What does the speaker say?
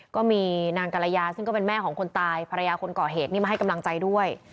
ก็มีนางกรยาซึ่งก็เป็นแม่ของคนตายภรรยาคนก่อเหตุนี่มาให้กำลังใจด้วย